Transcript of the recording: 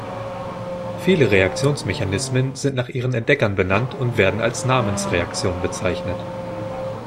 Viele Reaktionsmechanismen sind nach ihren Entdeckern benannt und werden als Namensreaktion bezeichnet.